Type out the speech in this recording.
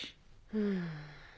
うん。